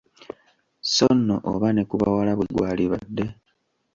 So nno oba ne ku bawala bwe gwalibadde!